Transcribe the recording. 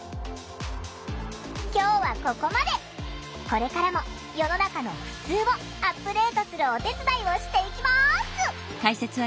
これからも世の中の「ふつう」をアップデートするお手伝いをしていきます。